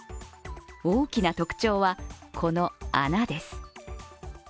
大きな特徴は、この穴です。